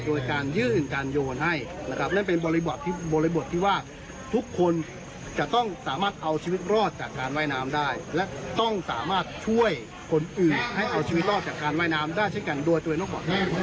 โดยการยืนการโยนให้นะครับ